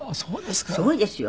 すごいですよ。